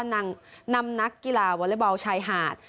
นายก็นำนักกีฬาวอลเล็ตบอลไชยห่าด